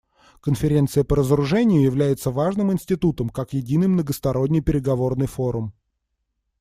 Конференция по разоружению является важным институтом как единый многосторонний переговорный форум.